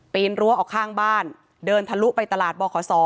นรั้วออกข้างบ้านเดินทะลุไปตลาดบขศ